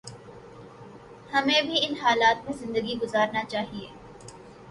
ہمیں بھی ان حالات میں زندگی گزارنا چاہیے